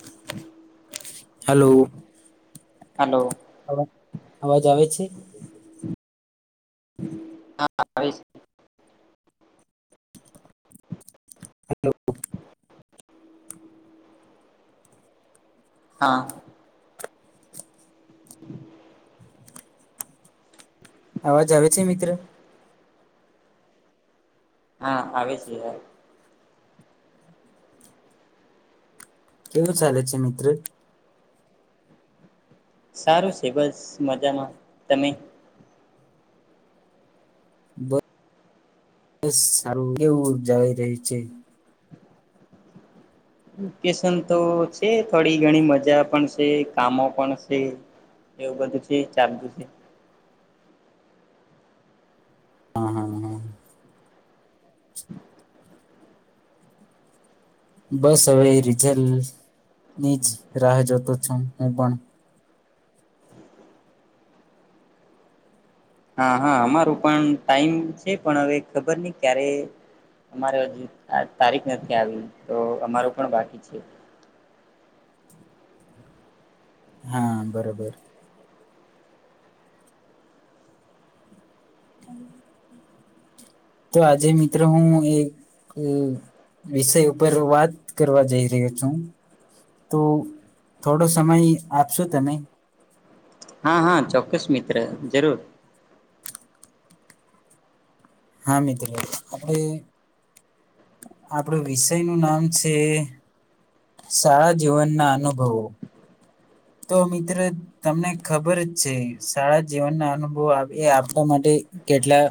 [inaudible] હાલો. Hello અવા અવાજ આવે છે? હા આવે છે. હાલો. હા. અવાજ આવે છે મિત્ર? હા આવે છે આવે. કેવું ચાલે છે મિત્ર? સારું છે બસ મજામાં, તમે? બસ સારું કેવું ઉજવાઈ રહી છે. વકેશન તો છે થોડી ઘણી મજા પણ છે કામો પણ છે એવું બધું છે ચાલું છે. હા હા હા. બસ હવે રીઝેલની જ રાહ જોતો છું હું પણ. હા હા અમારો પણ ટાઈમ છે પણ હવે ખબર નહી ક્યારે અરે હજુ તારીખ નથી આવી તો અમાર પણ બાકી છે. હા બરોબર. તો આજે મિત્રો હું એક વિષય ઉપર વાત કરવા જઈ રહ્યો છું તો થોડો સમય આપશો તમે. હા હા ચોક્કસ મિત્ર જરૂર. હા મિત્રો આપણે આપણ વિષય નું નામ છે શાળા જીવનના અનુભવો તો મિત્રો તમને ખબર જ છે શાળા જીવનના અનુભવો એ આપવા માટે કેટલા.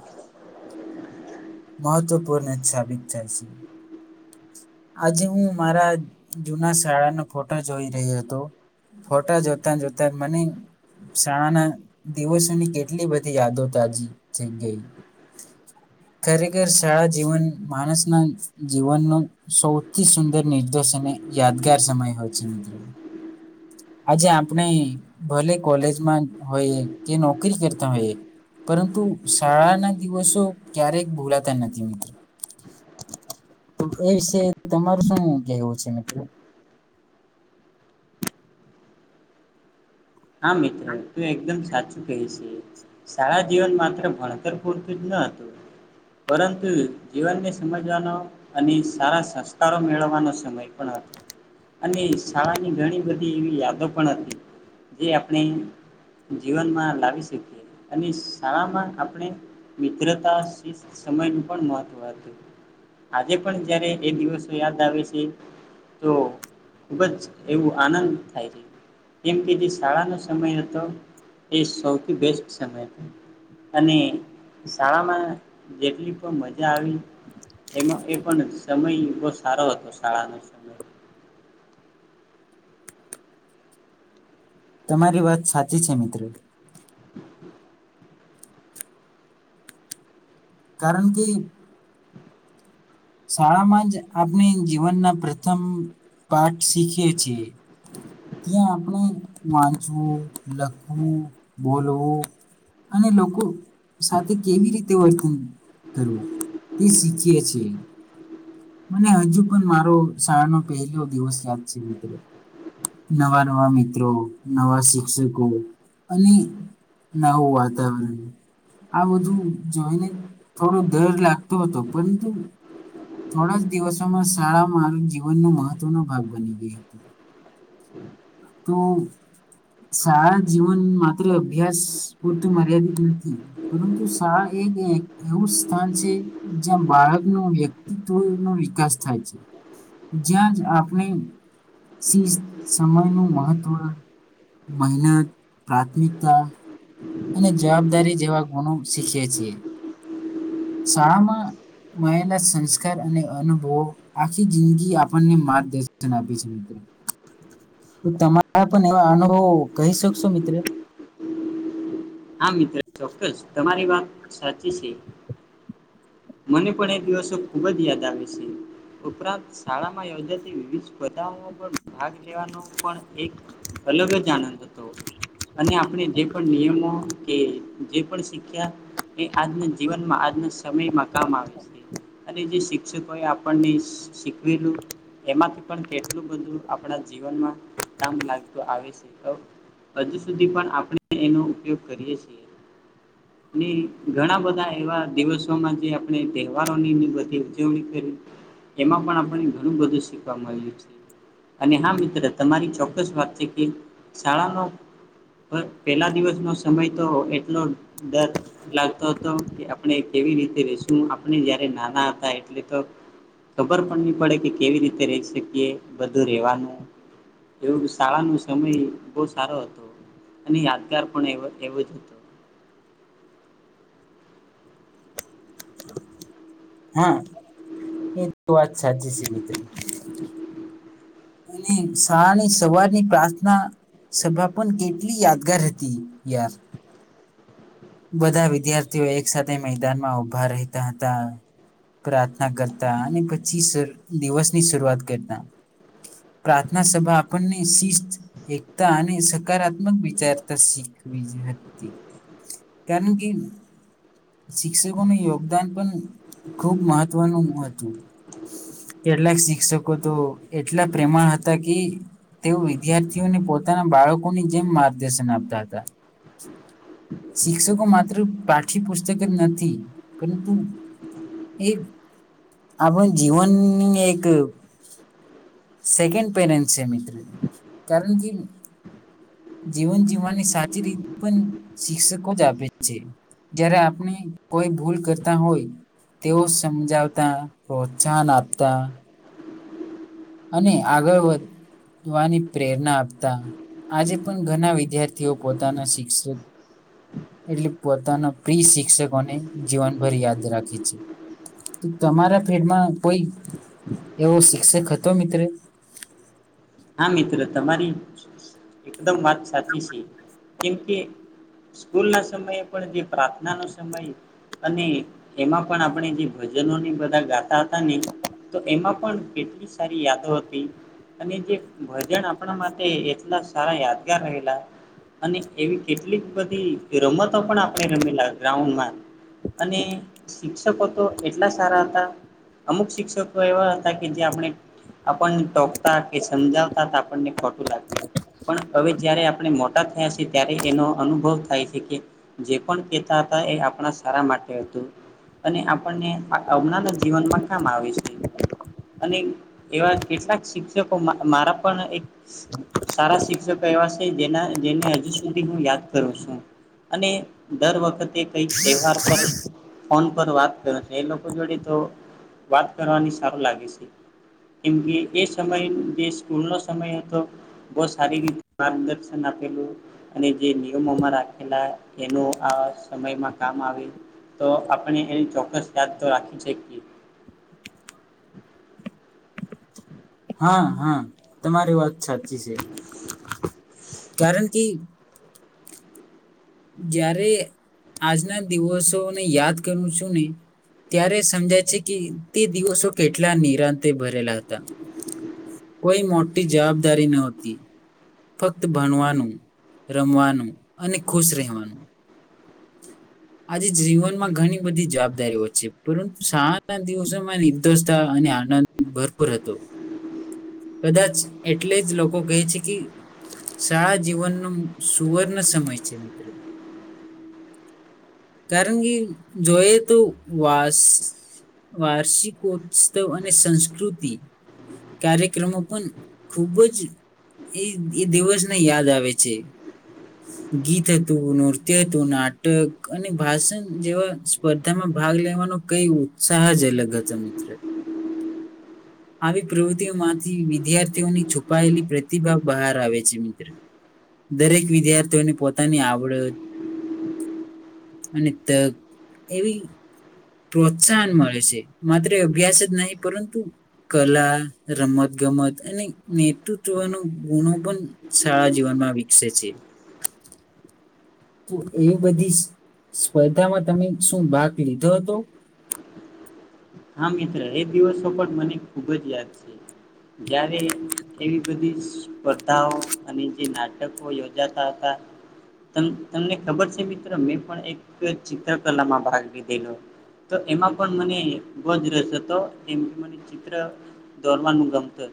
મહત્ત્વપૂર્ણછાાવિત થાય છે. આજે હું મારા જૂના શાળાનો ફોટા જોઈ રહ્યો હતો ફોટા જોતા જોતા મને શાળાના દિવસોની કેટલી બધી યાદો તાજી થઈ ગઈ ખરેખર શાળા જીવન માણસના જીવનનો. સૌથી સુંદર નિર્દોષ અને યાદગાર સમય હોય છે મિત્રો આજે આપણે ભલે કોલેજમાં હોય કે નોકરી કરતા હોઈએ પરંતુ શાળાના દિવસો ક્યારેક ભૂલાતા નથી મિત્રો. એ વિશે તમારું શું કવું છે મિત્રો. હા મિત્ર તું એકદમ સાચ. સારા જીવન માત્ર ભણતર પૂરતું જ ન હતું પરંતુ જીવનને સમજવાનો અને સારા સંસ્કારો મેળવવાનો સમય પણ હતો. અને શાળા ની ઘણી બધી. એવી યાદો પણ હતી. જે આપણે જીવનમાં લાવી શકીએ અને શાળામાં આપણે મિત્રતા શિ સમયનું પણ મહત્ત્વ હતું આજે પણ જ્યારે એ દિવસો યાદ આવે છે તો ખૂબ જ એવું આનંદ થાય છે કેમ કે જે. શાળાનો સમય હતો એ સૌથી બેસ્ટ સમય હતો અને શાળામાં જેટલી પણ મજા આવી એમાં એ પણ સમય બહુ સારો હતો શાળાનો સમય. તમારી વાત સાચી છે મિત્રો. કારણ કે. શાળામાં જ આપણે જીવનના પ્રથમ પાઠ શીખીએ છીએ ત્યાં આપણે વાંચવું લખવું બોલવું અને લોકો સાથે કેવી રીતે વર્કિંગ કરવું તે શીખીએ છેીએ. મને હજુ પણ મારો શાળાનો પહેલો દિવસ યાદ છે મિત્ર નવા નવા મિત્રો નવા શિક્ષકો અને નવું વાતાવરણ આ બધું જોઈને થોડો ડર લાગતો હતો પરંતુ. થોડા જ દિવસોમાં શાળા મારું જીવનનો મહત્ત્વનો ભાગ બની ગઈ હતો. તો શાળા જીવન માત્ર અભ્યાસ પૂરતું મર્યાદિત નથી પરંતુ શાળા એક એવું સ્થાન છે જ્યાં બાળક ન વ્યક્તિત્વ નો વિકાસ થાય છે જ્યાં જ આપણે શ સમયનું. મહત્વ મહિલા પ્રાથમિકતા. અને જવાબદારી જેવા ગુણો શીખીએ છીએ શાળામાં મળલા સંસ્કાર અને અનુભવો આખી જિંદગી આપણને માર્ગદર્શન આપે છે મિત્રો તો તમારા પણ એવા અનુભવો કહી શકશો મિત્ર. હા મિત્ર ચોક્કસ તમારી વાત સાચી છે મને પણ એ દિવસો ખુબ જ યાદ આવે છે ઉપરાંત શાળામાં યોજાતી વિવિધ. બધા પણ ભાગ લેવાનો. એક અલગ જ આનંદ હતો અને આપણે જે પણ નિયમો. કે જે પણ શીખ્યા એ આજના જીવનમાં આજના સમયમાં કામ આવે છે અને જે શિક્ષકો એ આપણને શીખવેલું એમાંથી પણ કેટલું બધું આપણા જીવનમાં કામ લાગતું આવે છે હજુ સુધી પણ આપણે એનો ઉપયોગ. અને ઘણા બધા એવા દિવસોમાં જે આપણે તહેવારોની બધી ઉજવણી કરી એમાં પણ આપણે ઘણું બધું શીખવા મળ્યું છે અને હા મિત્ર તમારી ચોક્કસ વાત છે કે શાળાનો પેલા દિવસનો. સમય તો એટલો ડર લાગતો હતો કે આપણે કેવી રીતે રશું આપણે જયારે નાના હતા એટલે તો ખબર પણ નહી પડે કે કેવી રીતે રહી શકીએ બધું રહેેવાનું એવું શાળાનો સમય બહુ સારો હતો અને યાદગાર પણ એ. એવું જ હતું. હા એ. ું વાત સાચી છે મિત્ર. અને શાળાની સવારની પ્રાર્થના સભા પણ કેટલી યાદગાર હતી યાર. બધા વિદ્યાર્થીઓ એક સાથે મેદાનમાં ઉભા રહેતા હતા પ્રાર્થના કરતા અને પછી દિવસની શરૂઆત કરતા પ્રાર્થના સભા આપણને શિસ્ત એકતા અને સકારાત્મક વિચારતા શીખવી હતી. કારણ કે શિક્ષકોનું યોગદાન પણ ખૂબ મહત્વનું હતું કેટલાક શિક્ષકો તો એટલા પ્રેમા હતા કે તેઓ વિદ્યાર્થીઓને પોતાના બાળકોની જેમ માર્ગદર્શન આપતા હતા. શિક્ષકો માત્ર પાઠ્યપુસ્તક જ નથી પરંતુ એક આપણે જીવનની એક. સેકન્ડ પેરેન્ટ છે મિત્ર કારણ કે જીવન જીવવાની સાચી રીતે પણ શિક્ષકો જ આપે છે જય્યારે આપણે કોઈ ભૂલ કરતા હોય તેઓ સમજાવતા પ્રોત્સાહન આપતા. અને આગળ વધવાની પ્રેરણા આપતા આજે પણ ઘણા વિદ્યાર્થીઓ પોતાના શિક્ષક એટલે પોતાના પ્રિ શિક્ષકોને જીવનભર યાદ રાખે છે તમારા ફીડમાં કોઈ એવો શિક્ષક તો મિત્ર. હા મિત્ર તમારી એકદમ વાત સાચી છે કેમકે સ્કૂલના સમયે પણ જે પ્રાર્થનાનો સમય અને એમાં પણ આપણે જે ભજનોને બધા ગાતા હતા ને તો એમાં પણ કેટલી સારી યાદો હતી અને જે. ભજન આપણા માટે એટલા સારા યાદગાર રહેલા અને એવી કેટલીક બધી રમત. તો પણ આપણે રમેલા ગ્રાઉન્ડ માં. અને શિક્ષકો તો એટલા સારા હતા. અમુક શિક્ષકો એવા હતા કે જે આપણે આપડને ટોકતા કે સમજાવતા આપણને ખોટું લાગતું. પણ હવે જ્યારે આપણે મોટા થયા છીએ ત્યારે એનો અનુભવ થાય છે કે જે પણ કહેતા તા એ આપણા સારા માટે હતું. અને આપણને આ આવનારા જીવનમાં કામ આવે છે. અને એવા કેટલાક શિક્ષક તો મા મારા પણ એક સારા શિક્ષક એવા છે. જેના જેને હજુ સુધી હું યાદ કરું છું. અને દર વખતે કઈક તહેવાર પર ફોન પર વાત કરું છું. એ લોકો જોડે તો વાત કરવાની સારું લાગે શે. કેમ કે એ સમય જે સ્કૂલનો સમય હતો. બઉ સારી રીતે માર્ગદર્શન આપેલું અને જે નિયમોમાં રાખેલા એનું આ સમયમાં કામ આવે તો આપણે એને ચોક્કસ યાદ તો રાખી શકીએ. હા હા તમારી વાત સાચી છે. કારણ કે જ્યારે આજના દિવસોને યાદ કરું છું ને ત્યારે સમજાય છે કે તે દિવસો કેટલા નિરાંતે ભરેલા હતા. કોઈ મોટી જવાબદારી ન હતી. ફક્ત ભણવાનું, રમવાનું અને ખુશ રહેવાનું. આજે જીવનમાં ઘણી બધી જવાબદારીઓ છે. પરંતુ શાળાના દિવસોમાં નિર્દોષતા અને આનંદ ભરપૂર હતો. કદાચ એટલે જ લોકો કહે છે કે શાળા જીવનનો સુવર્ણ સમય છે મિત્રો. કારણ કે જોયે તો વાસ વાર્ષિકોત્સવ અને સંસ્કૃતિ કાર્યક્રમો પણ ખુબ જ એ એ દિવસને યાદ આવે છે. ગીત હતું, નૃત્ય હતું, નાટ ક અને ભાષણ જેવા સ્પર્ધામાં ભાગ લેવાનો કઈ ઉત્સાહ જ અલગ હતો મિત્ર. આવી પ્રવૃત્તિઓમાંથી વિદ્યાર્થીઓની છુપાયેલી પ્રતિભા બહાર આવે છે મિત્ર. દરેક વિદ્યાર્થીઓને પોતાની આવડત અને તક એવી પ્રોત્સાહન મળે છે. માત્ર અભ્યાસ જ નહીં પરંતુ કલા, રમત-ગમત અને નેતૃત્વનો ગુણો પણ શાળા જીવનમાં વિકસે છે. તો એ બધી સ્પર્ધામાં તમે શું ભાગ લીધો હતો? હા મિત્ર એ દિવસો પણ મને ખુબ જ યાદ છે. જયારે એવી બધી સ્પર્ધાઓ અને જે નાટકો યોજાતા હતા. તમ તમને ખબર છે મિત્ર મેં પણ એક ચિત્રકલામાં ભાગ લીધેલો. તો એમાં પણ મને ગજરસ હતો. એમ મને ચિત્ર દોરવાનું ગમતું હતું.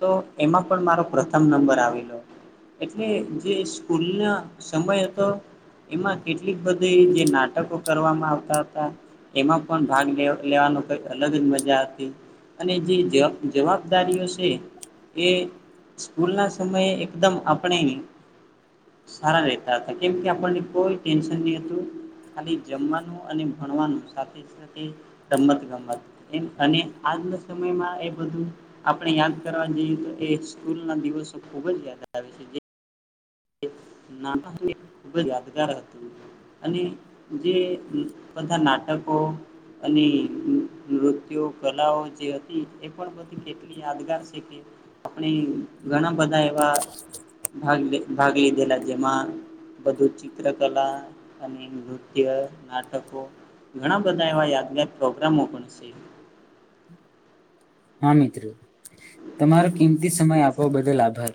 તો એમાં પણ મારો પ્રથમ નંબર આવેલો. એટલે જે સ્કૂલના સમય હતો. એમાં કેટલીક બધી જે નાટકો કરવામાં આવતા હતા. એમાં પણ ભાગ લેવા લેવાનો કઈક અલગ જ મજા હતી. અને જે જવાબદારીઓ છે એ સ્કૂલના સમયે એકદમ આપણે સારા રહેતા હતા. કેમ કે આપણને કોઈ ટેન્શન નહી હતું. ખાલી જમવાનું અને ભણવાનું સાથે સાથે રમત-ગમત એમ અને આજના સમયમાં એ બધું આપણે યાદ કરવા જઈએ તો એ સ્કૂલના દિવસો ખૂબ જ યાદ આવે છે જે નાન હતું એ ખૂબ જ યાદગાર હતું. અને જે બધા નાટકો અને નૃત્યો કલાઓ જે હતી એ પણ બધી કેટલી યાદગાર છે કે આપણે ઘણા બધા એવા ભાગ લે ભાગ લીધેલા જેમાં બધું ચિત્રકલા અને નૃત્ય-નાટકો ઘણા બધા એવા યાદગાર પ્રોગ્રામો પણ છે. હા મિત્ર તમારો કિંમતી સમય આપવા બદલ આભાર.